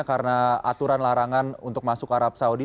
karena aturan larangan untuk masuk arab saudi